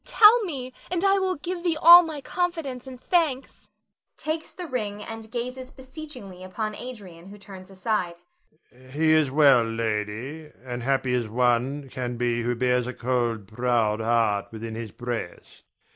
Tell me, and I will give thee all my confidence and thanks [takes the ring and gazes beseechingly upon Adrian, who turns aside]. Adrian. He is well, lady, and happy as one can be who bears a cold, proud heart within his breast.